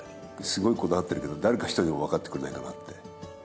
すごいこだわってるけど誰か１人でも分かってくれないかなって